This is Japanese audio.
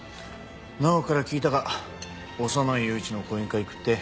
直央から聞いたが小山内雄一の講演会行くって？